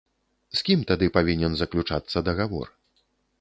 З кім тады павінен заключацца дагавор?